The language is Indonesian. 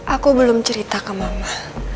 aku belum cerita ke mama